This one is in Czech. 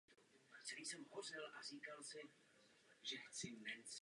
Proto je nezbytné provádět označování s vyznačeným místem původu produktu.